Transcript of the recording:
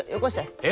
え！？